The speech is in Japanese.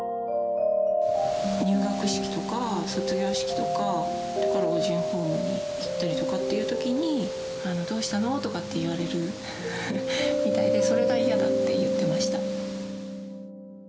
入学式とか、卒業式とか、老人ホームに行くとかっていうときに、どうしたの？とかって言われるみたいで、それが嫌だって言ってました。